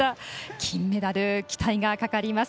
金メダル、期待がかかります。